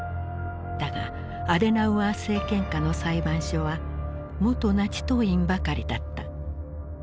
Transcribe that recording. だがアデナウアー政権下の裁判所は元ナチ党員ばかりだった。